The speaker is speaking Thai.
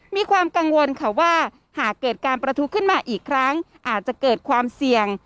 มีความกังวลค่ะว่าหากเกิดการประทุขึ้นมาอีกครั้งอาจจะเกิดความเสี่ยง